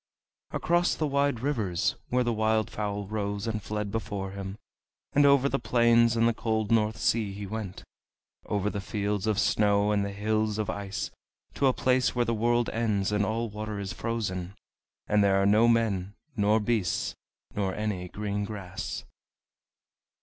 Across the wide rivers, where the wild fowl rose and fled before him, and over the plains and the cold North Sea he went, over the fields of snow and the hills of ice, to a place where the world ends, and all water is frozen, and there are no men, nor beasts, nor any green grass.